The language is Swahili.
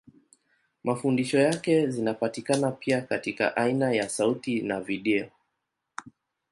Mafundisho yake zinapatikana pia katika aina ya sauti na video.